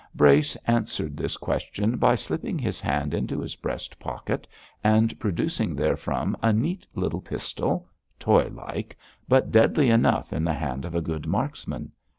Brace answered this query by slipping his hand into his breast pocket and producing therefrom a neat little pistol, toy like, but deadly enough in the hand of a good marksman.